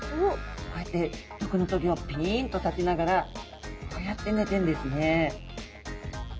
こうやって毒の棘をピンと立てながらこうやって寝てんですね。